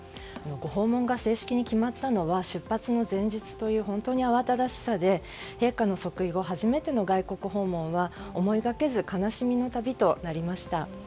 ご訪問が正式に決まったのは出発の前日という本当に慌ただしさで陛下の即位後初めての外国訪問は思いがけず悲しみの旅となりました。